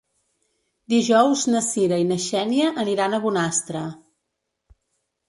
Dijous na Cira i na Xènia aniran a Bonastre.